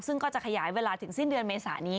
ซึ่งก็จะขยายเวลาถึงสิ้นเดือนเมษานี้